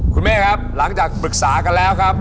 คุณแม่ครับหลังจากปรึกษากันแล้วครับ